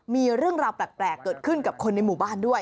มีเรื่องราวแปลกเกิดขึ้นกับคนในหมู่บ้านด้วย